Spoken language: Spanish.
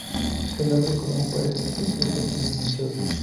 El nombre común para estas especies es delfines manchados.